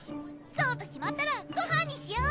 そうと決まったらごはんにしよう！